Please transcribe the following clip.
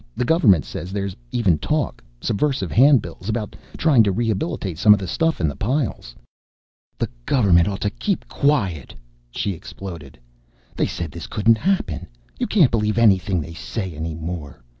The government says there's even talk subversive handbills about trying to rehabilitate some of the stuff in the piles." "The government ought to keep quiet!" she exploded. "They said this couldn't happen. You can't believe anything they say any more.